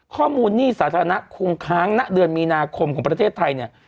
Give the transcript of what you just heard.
หนี้สาธารณะคงค้างณเดือนมีนาคมของประเทศไทยเนี่ย